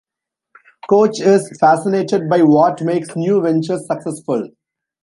Koch is fascinated by what makes new ventures successful.